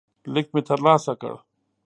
لیک مې ترلاسه کړ.